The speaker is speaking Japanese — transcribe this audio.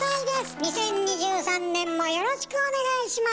２０２３年もよろしくお願いします。